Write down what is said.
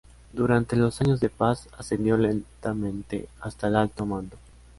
Durante los años de paz ascendió lentamente hasta el alto mando.